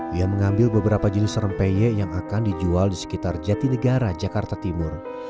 dia mengambil beberapa jenis rempeye yang akan dijual di sekitar jatinegara jakarta timur